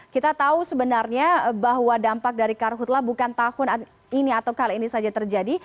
kita tahu sebenarnya bahwa dampak dari karhutlah bukan tahun ini atau kali ini saja terjadi